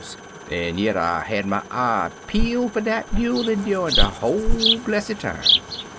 An' yit I had my eye peeled fer dat mule cndurin* er de whole blessid time.